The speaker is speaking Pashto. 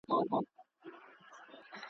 رسنۍ د ټولنې غږ بلل کېږي